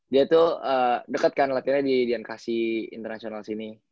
dia tuh deket kan latihannya di ancasi internasional sini